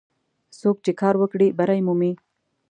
څوک چې کار وکړي، بری مومي.